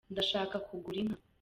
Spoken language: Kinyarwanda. ndashaka kugura inka